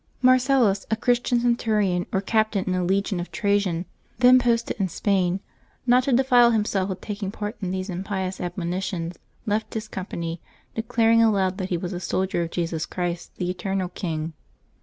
Marcellus, a Christian centurion or captain in the legion of Trajan, then posted in Spain, not to defile himself with taking part in those impious abom inations, left his company, declaring aloud that he was a soldier of Jesus Christ, the eternal King.